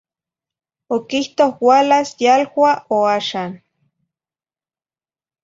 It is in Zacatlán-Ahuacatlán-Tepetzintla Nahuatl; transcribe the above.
Oquihto ualas yalua o axan.